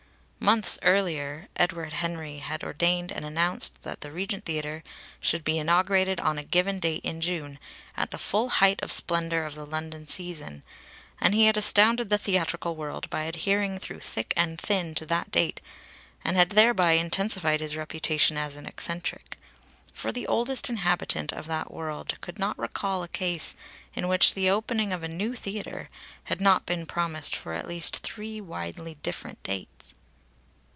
Months earlier Edward Henry had ordained and announced that the Regent Theatre should be inaugurated on a given date in June, at the full height of splendour of the London season, and he had astounded the theatrical world by adhering through thick and thin to that date, and had thereby intensified his reputation as an eccentric; for the oldest inhabitant of that world could not recall a case in which the opening of a new theatre had not been promised for at least three widely different dates.